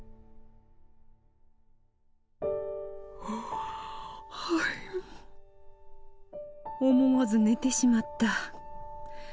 ふわ思わず寝てしまった。